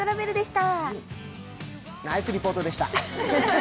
ナイスリポートでした。